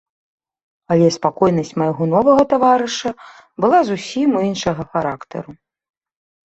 Але спакойнасць майго новага таварыша была зусім іншага характару.